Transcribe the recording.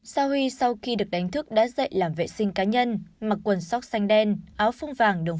sao huy sau khi được đánh thức đã dạy làm vệ sinh cá nhân mặc quần sóc xanh đen áo phung vàng đường